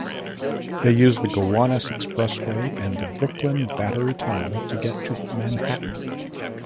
They use the Gowanus Expressway and the Brooklyn–Battery Tunnel to get to Manhattan.